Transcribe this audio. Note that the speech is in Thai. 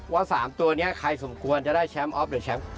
ว่า๓ตัวนี้ใครสมควรจะได้แชมป์ออฟหรือแชมป์